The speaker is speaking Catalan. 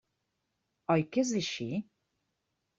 Oi que és així?